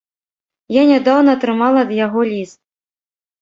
Я нядаўна атрымала ад яго ліст.